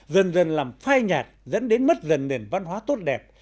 dần dần làm phai nhạt dẫn đến mất dần nền văn hóa tốt đẹp